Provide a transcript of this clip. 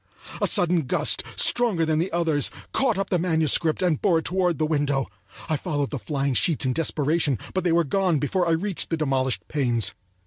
A sudden gust, stronger than the others, caught up the manuscript and bore it toward the window. I followed the flying sheets in desperation, but they were gone before I reached the demolished panes.